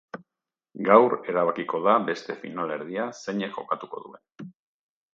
Gaur erabakiko da beste finalerdia zeinek jokatuko duen.